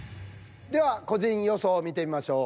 では個人予想を見てみましょう。